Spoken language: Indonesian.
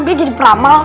dia jadi peramal